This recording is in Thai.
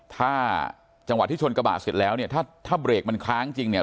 ถ้าจังหวะที่ชนกระบะเสร็จแล้วเนี่ยถ้าถ้าเบรกมันค้างจริงเนี่ย